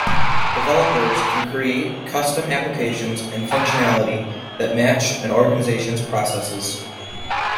Developers can create custom applications and functionality that match an organization's processes.